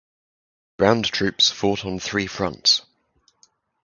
Ground troops fought on three fronts.